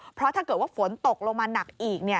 เพราะถ้าเกิดว่าฝนตกลงมาหนักอีก